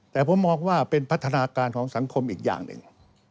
แต่ผมมองว่าเป็นพัฒนาการของสังคมอีกอย่างหนึ่ง